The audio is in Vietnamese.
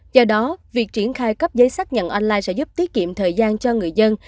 do đó việc triển khai cấp giấy xác nhận online sẽ giúp tiết kiệm thời gian cho người dân